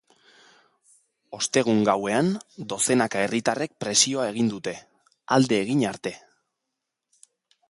Ostegun gauean, dozenaka herritarrek presioa egin dute, alde egin arte.